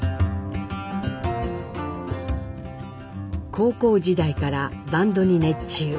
高校時代からバンドに熱中。